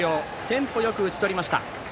テンポよく打ち取りました。